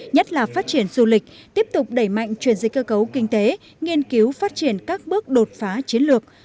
nhất là phát triển du lịch tiếp tục đẩy mạnh truyền dịch cơ cấu kinh tế nghiên cứu phát triển các bước đột phá chiến lược